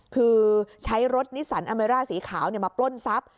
คือใช้รถนิสันอาเมร่าสีขาวมาปล้นทรัพย์